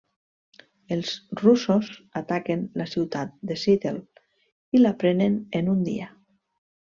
Els russos ataquen la ciutat de Seattle i la prenen en un dia.